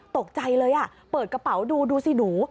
ตกใจเลยเปิดกระเป๋าดูดูสิหนู